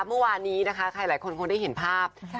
เมื่อวานนี้นะคะใครหลายคนคงได้เห็นภาพ